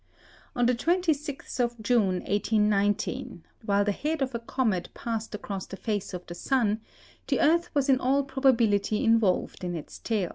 On the 26th of June, 1819, while the head of a comet passed across the face of the sun, the earth was in all probability involved in its tail.